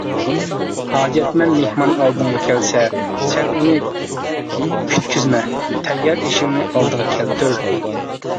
ھاجەتمەن مېھمان ئالدىڭغا كەلسە، سەن ئۇنى كۈتكۈزمە، تەييار ئېشىڭنى ئالدىغا كەلتۈر.